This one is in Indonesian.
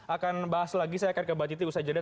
akan bahas lagi saya akan ke mbak titik usai jadinya